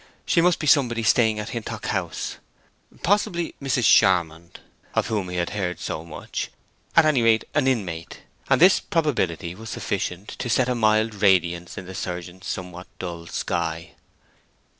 She must be somebody staying at Hintock House? Possibly Mrs. Charmond, of whom he had heard so much—at any rate an inmate, and this probability was sufficient to set a mild radiance in the surgeon's somewhat dull sky.